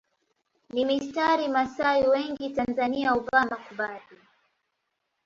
ni mistari Wamasai wengi Tanzania huvaa makubadhi